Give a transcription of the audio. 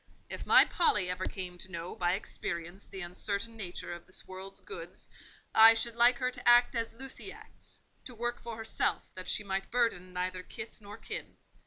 If my Polly ever came to know by experience the uncertain nature of this world's goods, I should like her to act as Lucy acts: to work for herself, that she might burden neither kith nor kin."